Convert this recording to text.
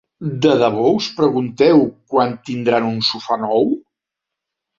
De debò us pregunteu quan tindran un sofà nou.